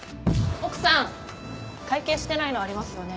奥さん会計してないのありますよね？